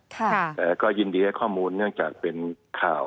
แต่ก็ยินดีให้ข้อมูลเนื่องจากเป็นข่าว